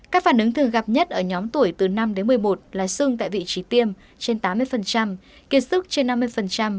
các phản ứng thường gặp nhất ở nhóm tuổi từ năm đến một mươi một là sưng tại vị trí tiêm trên tám mươi kiệt sức trên năm mươi